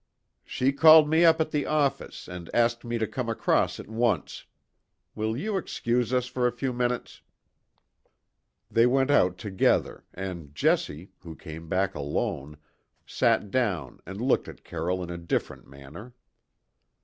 "She called me up at the office and asked me to come across at once. Will you excuse us for a few minutes?" They went out together, and Jessie, who came back alone, sat down and looked at Carroll in a diffident manner.